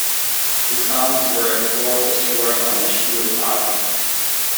His arms were a cross azure on a shield argent.